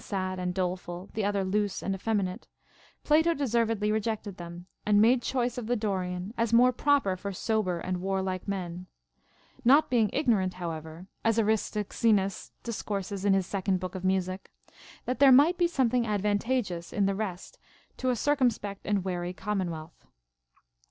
115 sad and doleful, the other loose and effeminate, Plato de servedly rejected them, and made choice of the Dorian, as more proper for sober and warlike men ; not being igno rant, however (as Aristoxenus discourses in his second book of music), that there might be something advanta geous in the rest to a circumspect and wary commonwealth.